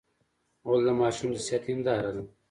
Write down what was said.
غول د ماشوم د صحت هنداره ده.